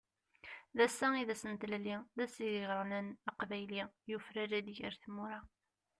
D ass-a i d ass n tlelli, d ass ideg aɣlan aqbayli, yufrar-d ger tmura.